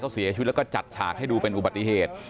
เขาเสียชีวิตแล้วก็จัดฉากให้ดูเป็นอุบัติเหตุ